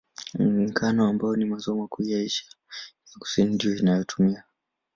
Ngano, ambayo ni mazao makuu Asia ya Kusini, ndiyo inayotumiwa.